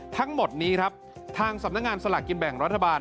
ทั้งหมดนี้ครับทางสำนักงานสลากกินแบ่งรัฐบาล